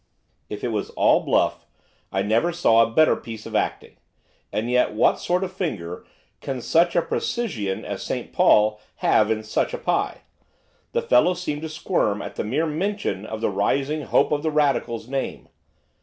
'If it was all bluff I never saw a better piece of acting, and yet what sort of finger can such a precisian as St Paul have in such a pie? The fellow seemed to squirm at the mere mention of the rising hope of the Radicals' name.